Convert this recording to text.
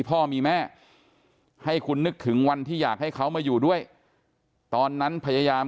พ่อมีแม่ให้คุณนึกถึงวันที่อยากให้เขามาอยู่ด้วยตอนนั้นพยายาม